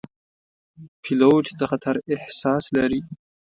پیلوټ د خطر احساس لري.